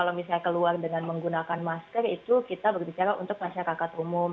kalau misalnya keluar dengan menggunakan masker itu kita berbicara untuk masyarakat umum